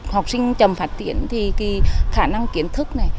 học sinh chầm phát triển thì khả năng kiến thức này